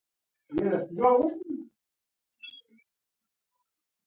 بوی د خرابې غوښې و.